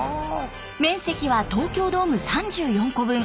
面積は東京ドーム３４個分。